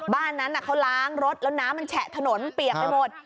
บ้านนั้นเขาล้างรถแล้วน้ำมันแฉะถนนเปียกไปหมด